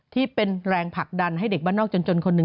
ที่เป็นแรงผลักดันให้เด็กบ้านนอกจนคนหนึ่ง